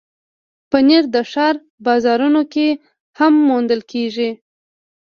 پنېر د ښار بازارونو کې هم موندل کېږي.